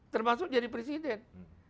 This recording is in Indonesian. termasuk jadi presiden